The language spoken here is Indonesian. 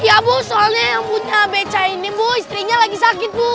ya bu soalnya yang punya beca ini bu istrinya lagi sakit bu